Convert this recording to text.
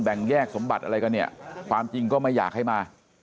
แยกสมบัติอะไรกันเนี่ยความจริงก็ไม่อยากให้มา